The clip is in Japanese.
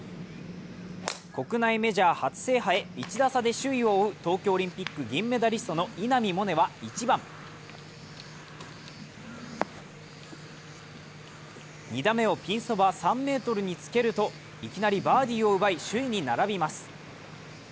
国内メジャー初制覇へ１打差で首位を追う東京オリンピック銀メダリストの稲見萌寧は１番２打目をピンそば３ｍにつけるといきなりバーディーを奪い、首位に並びます。